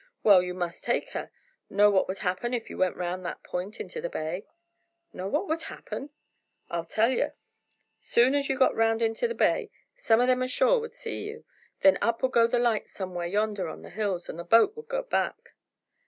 "Well, you must take her. Know what would happen if you went round that point into the bay?" "Know what would happen?" "I'll tell yer. Soon as you got round into the bay, some o' them ashore would see yer. Then up would go lights somewhere yonder on the hills, and the boat would go back."